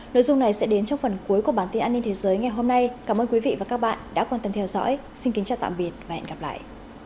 nội dung này sẽ đến trong phần cuối của bản tin an ninh thế giới ngày hôm nay cảm ơn quý vị và các bạn đã quan tâm theo dõi xin kính chào tạm biệt và hẹn gặp lại